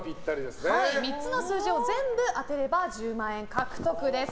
３つの数字を全部当てれば１０万円獲得です。